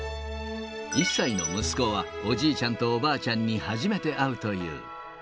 １歳の息子は、おじいちゃんとおばあちゃんに初めて会うという。